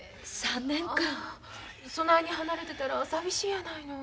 そないに離れてたら寂しいやないの。